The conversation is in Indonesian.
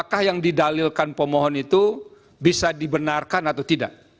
apakah yang didalilkan pemohon itu bisa dibenarkan atau tidak